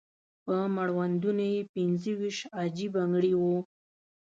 په مړوندونو یې پنځه ويشت عاجي بنګړي وو.